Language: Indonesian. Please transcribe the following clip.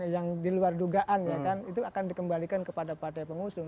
yang di luar dugaan itu akan dikembalikan kepada partai pengusung